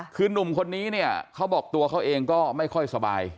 คือนุ่มคนนี้เนี่ยเขาบอกตัวเขาเองก็ไม่ค่อยสบาย